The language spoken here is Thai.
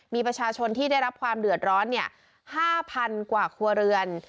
มีประชาชนที่ได้รับความเดือดร้อน๕๐๐๐กว่าครัวเรือน